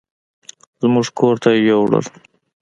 زموږ کور ته يې يوړل.